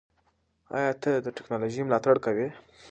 ایا ته د ټیکنالوژۍ ملاتړ کوې؟